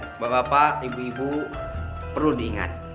bapak bapak ibu ibu perlu diingat